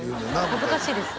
恥ずかしいです